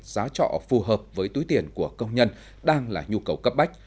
giá trọ phù hợp với túi tiền của công nhân đang là nhu cầu cấp bách